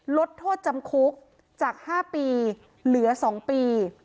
ลดโทษจำคุกจาก๕ปีเหลือ๒ปี